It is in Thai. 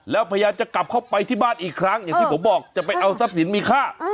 แล้วพยายามจะกลับเข้าไปที่บ้านอีกครั้งอย่างที่ผมบอกจะไปเอาทรัพย์สินมีค่า